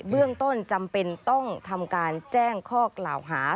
เรื่องต้นจำเป็นต้องทำการแจ้งข้อกล่าวหา